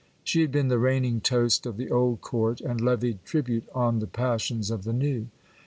She had been the reigning toast of the old court, and levied tribute on the passions of the new.